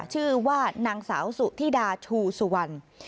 ชื่อว่านางสาวสุธิดาชูสุวรรณ